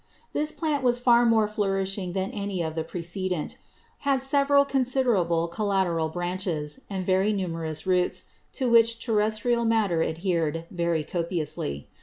This Plant was far more flourishing than any of the precedent; had several very considerable collateral Branches, and very numerous Roots, to which Terrestrial Matter adhered very copiously.